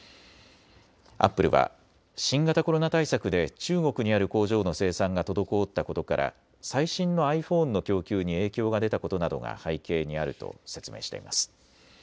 アップルは新型コロナ対策で中国にある工場の生産が滞ったことから最新のｉＰｈｏｎｅの供給に影響が出たことなどが背景にあると説明しています。